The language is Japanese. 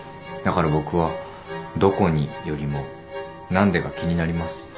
だから僕は「どこに」よりも「何で」が気になります。